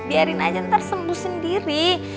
biarin aja ntar sembuh sendiri